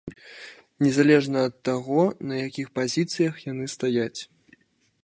Незалежна ад таго, на якіх пазіцыях яны стаяць.